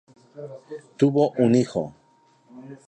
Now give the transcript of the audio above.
Tuvo un hijo.